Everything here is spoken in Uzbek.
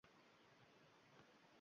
Dunyo — rang-barang.